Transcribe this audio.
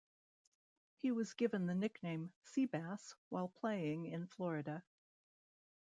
He was given the nickname "Sea-bass" while playing in Florida.